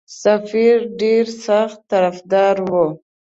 سفیر ډېر سخت طرفدار وو.